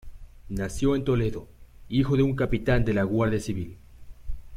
Nació en Toledo, hijo de un capitán de la Guardia Civil.